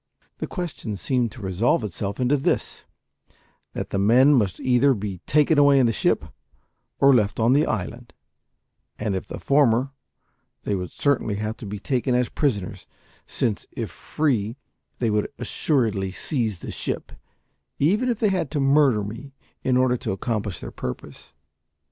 The question seemed to resolve itself into this that the men must either be taken away in the ship, or left on the island; and if the former, they would certainly have to be taken as prisoners, since, if free, they would assuredly seize the ship, even if they had to murder me in order to accomplish their purpose.